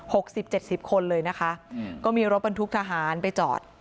สิบเจ็ดสิบคนเลยนะคะอืมก็มีรถบรรทุกทหารไปจอด